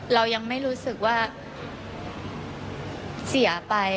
เรายังไม่รู้สึกว่าเสียไป